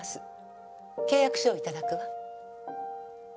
契約書を頂くわ。